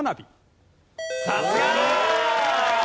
さすが！